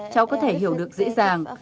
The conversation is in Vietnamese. cháu có thể hiểu được dễ dàng